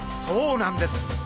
そうなんです！